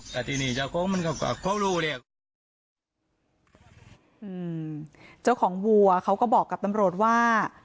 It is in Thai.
แต่ทีนี้เจ้าของมันก็กลับเขารู้แล้วอืมเจ้าของวัวเขาก็บอกกับตำรวจว่า